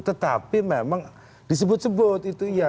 tetapi memang disebut sebut itu ya